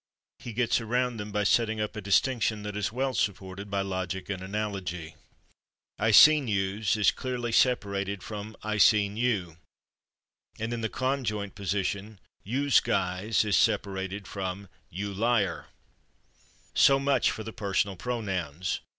He gets around them by setting up a distinction that is well supported by logic and analogy. "I seen /yous/" is clearly separated from "I seen /you/.". And in the conjoint position "/yous/ guys" is separated from "/you/ liar." So much for the personal pronouns.